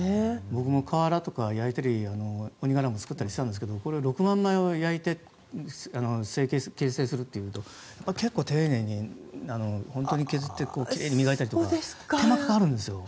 僕も瓦とか焼いたり鬼瓦も作ったりしたんですけど６万枚も焼いて形成するというと結構、丁寧に削ってきれいに磨いたりとか手間がかかるんですよ。